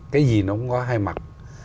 cái gì nó cũng có hai mặt